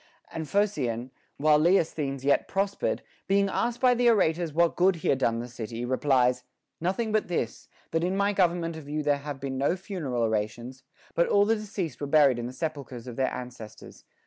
And Phocion, while Leosthenes yet prospered, being asked by the orators what good he had done the city, replies : Nothing but this, that in my government of you there, have been no funeral orations, but all the deceased were buried in the sepulchres of their ancestors.